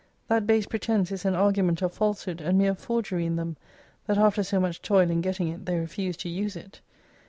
That base pretence is an argument of false hood and mere forgery in them, that after so much toil in getting it they refuse to use it.